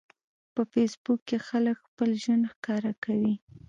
په فېسبوک کې خلک خپل ژوند ښکاره کوي.